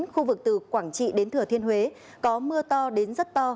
khu vực từ quảng trị đến thừa thiên huế có mưa to đến rất to